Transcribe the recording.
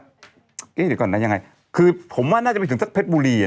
เดี๋ยวก่อนนะยังไงคือผมว่าน่าจะไปถึงสักเพชรบุรีอ่ะ